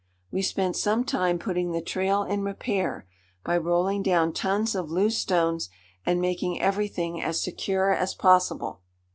We spent some time putting the trail in repair, by rolling down tons of loose stones, and making everything as secure as possible.